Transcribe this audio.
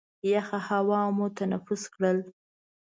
یخه هوا مو تنفس کړل.